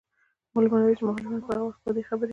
معلومه نه ده چي مخالفينو به هغه وخت په دې خبري